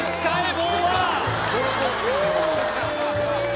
棒は！